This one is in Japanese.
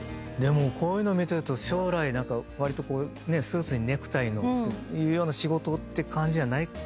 でもこういうの見てると将来わりとこうねスーツにネクタイのっていうような仕事って感じじゃない。